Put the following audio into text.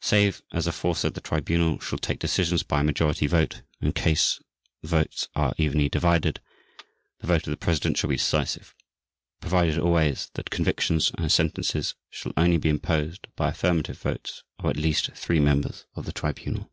(c) Save as aforesaid the Tribunal shall take decisions by a majority vote and in case the votes are evenly divided, the vote of the President shall be decisive: provided always that convictions and sentences shall only be imposed by affirmative votes of at least three members of the Tribunal.